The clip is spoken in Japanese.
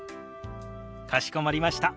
かしこまりました。